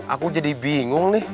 aku jadi bingung nih